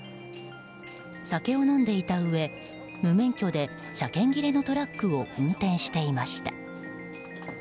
酒を飲んでいたうえ、無免許で車検切れのトラックを運転していました。